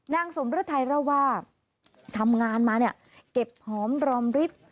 นางสมฤทัยเล่าว่าทำงานมาเก็บหอมรอมริบ